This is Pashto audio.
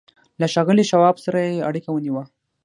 له ښاغلي شواب سره يې اړيکه ونيوه.